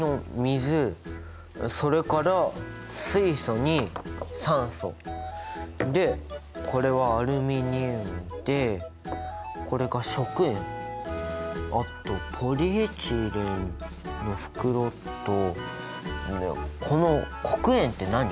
それから水素に酸素でこれはアルミニウムでこれが食塩あとポリエチレンの袋とこの黒鉛って何？